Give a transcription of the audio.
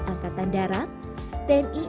tni angkatan perumahan dan tni angkatan perumahan